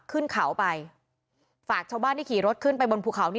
ขึ้นเขาไปฝากชาวบ้านที่ขี่รถขึ้นไปบนภูเขา